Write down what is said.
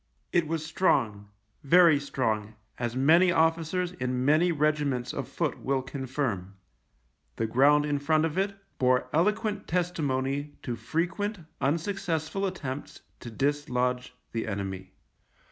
It was strong, very strong, as many officers in many regiments of foot will confirm. The ground in front of it bore eloquent testimony to frequent unsuccessful attempts to dislodge the enemy.